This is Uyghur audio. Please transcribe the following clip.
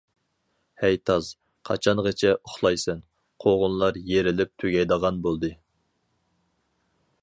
-ھەي تاز، قاچانغىچە ئۇخلايسەن، قوغۇنلار يېرىلىپ تۈگەيدىغان بولدى.